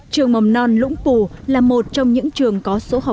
trường mầm non lũng pù là một trong những trường có sức khỏe